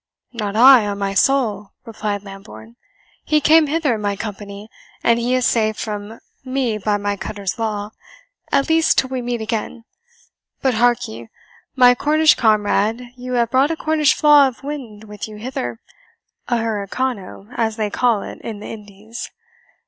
"Not I, on my soul," replied Lambourne; "he came hither in my company, and he is safe from me by cutter's law, at least till we meet again. But hark ye, my Cornish comrade, you have brought a Cornish flaw of wind with you hither, a hurricanoe as they call it in the Indies.